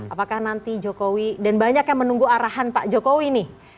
apakah nanti jokowi dan banyak yang menunggu arahan pak jokowi nih